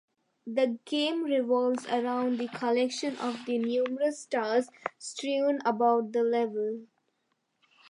The game revolves around the collection of the numerous stars strewn about the levels.